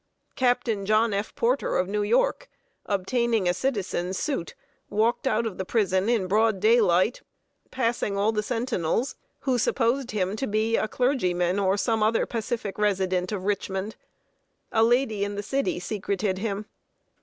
Captain John F. Porter, of New York, obtaining a citizen's suit, walked out of the prison in broad daylight, passing all the sentinels, who supposed him to be a clergyman or some other pacific resident of Richmond. A lady in the city secreted him.